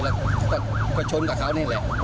แล้วก็ชนกับเขานี่แหละ